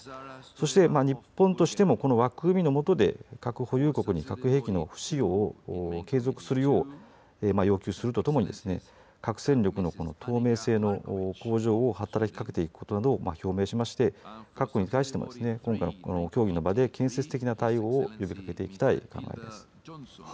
そして日本としてもこの枠組みのもとで核保有国に核兵器の不使用を継続するよう要求するとともに核戦力の透明性の向上を働きかけていくことなどを表明しまして各国に対してもこの協議の場で建設的な対応を呼びかけていきたい考えです。